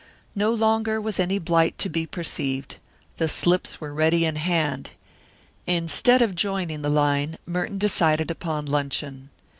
No longer was any blight to be perceived. The slips were ready in hand. Instead of joining the line Merton decided upon luncheon.